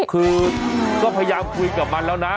คือก็พยายามคุยกับมันแล้วนะ